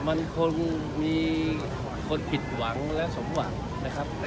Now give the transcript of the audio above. มันคงมีคนผิดหวังและสมหวังนะครับ